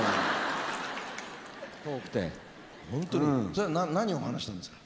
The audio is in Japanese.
それは何を話したんですか？